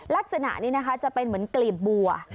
ลักษณะนี้นะคะจะเป็นเหมือนกลีบบัว